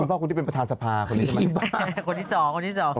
คุณพ่อคุณที่เป็นประธานสภาคนนี้ใช่ไหม